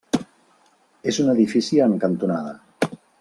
És un edifici en cantonada.